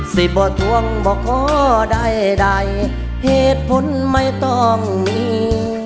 สิบ่อทวงบอกก็ได้ได้เหตุผลไม่ต้องมี